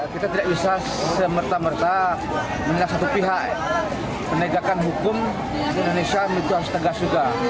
kita tidak bisa semerta merta menilai satu pihak penegakan hukum di indonesia menjauh setegas juga